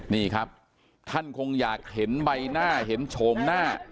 นี่ครับท่านคงอยากเห็นใบหน้าเห็นโฉมหน้า